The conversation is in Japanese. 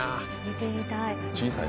見てみたい。